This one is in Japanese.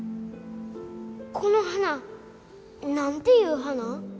この花何ていう花？